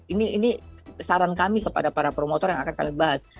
ini saran kami kepada para promotor yang akan kami bahas